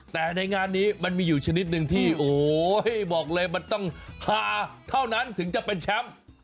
แต่ในงานนี้มันมีอยู่ชนิดหนึ่งที่โอ้โหบอกเลยมันต้องฮาเท่านั้นถึงจะเป็นแชมป์